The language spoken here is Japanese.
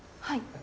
はい。